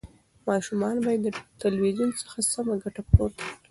ماشومان باید د تلویزیون څخه سمه ګټه پورته کړي.